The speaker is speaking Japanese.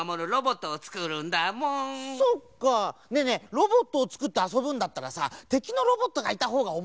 ロボットをつくってあそぶんだったらさてきのロボットがいたほうがおもしろいんじゃない？